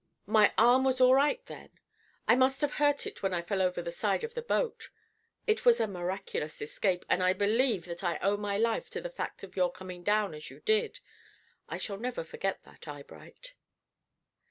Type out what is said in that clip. My arm was all right then. I must have hurt it when I fell over the side of the boat. It was a miraculous escape, and I believe that I owe my life to the fact of your coming down as you did. I shall never forget that, Eyebright."